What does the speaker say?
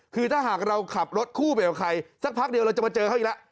คือถ้าหากเราขับรถคู่ไปกับใครสักพักเดียวเราจะมาเจอเขาอีกแล้ว